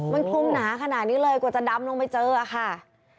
มันคลุมหนาขนาดนี้เลยกว่าจะดำลงไปเจอค่ะ